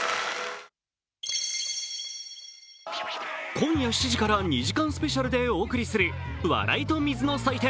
今夜７時から２時間スペシャルでお送りする「笑いと水の祭典！